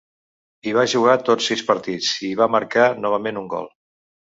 Hi va jugar tots sis partits, i hi va marcar novament un gol.